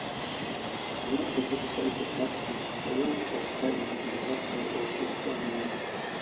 Saint Victor is the patron saint of Tallinn, the capital of Estonia.